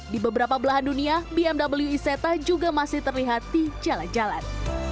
di beberapa belahan dunia bmw i seta juga masih terlihat di jalan jalan